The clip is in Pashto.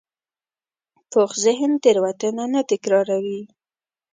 پوخ ذهن تېروتنه نه تکراروي